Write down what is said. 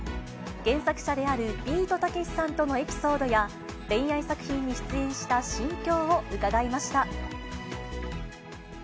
原作者であるビートたけしさんとのエピソードや、恋愛作品に出演した心境を伺いました。